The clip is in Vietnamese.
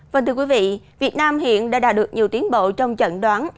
vâng thưa quý vị việt nam hiện đã đạt được nhiều tiến bộ trong chẩn đoán